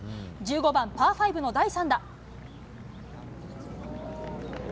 １５番、パー５の第３打。